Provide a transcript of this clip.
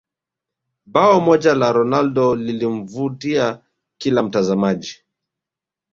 bao moja la ronaldo lilimvutia kila mtazamaji